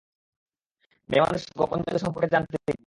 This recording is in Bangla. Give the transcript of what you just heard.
মেয়েমানুষের গোপন জাদু সম্পর্কে জানতে গিয়ে।